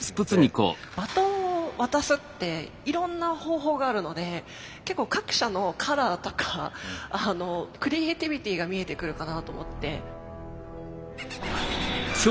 バトンを渡すっていろんな方法があるので結構各社のカラーとかクリエーティビティーが見えてくるかなと思って。